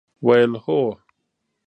ویل ، هو!